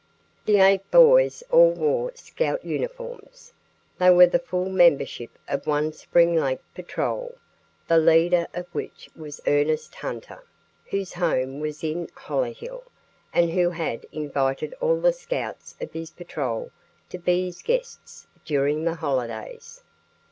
The eight boys all wore Scout uniforms. They were the full membership of one Spring Lake patrol, the leader of which was Ernest Hunter, whose home was in Hollyhill, and who had invited all the Scouts of his patrol to be his guests during the holidays.